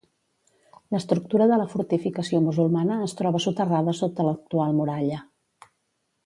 L'estructura de la fortificació musulmana es troba soterrada sota l'actual muralla.